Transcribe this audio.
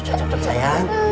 udah cukup cukup sayang